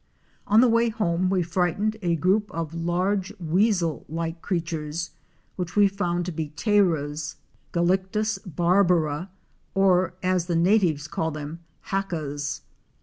On the way home we frightened a group of large weasel like creatures which we found to be Tayras (Galictis barbara) or, as the natives call them, Hackas.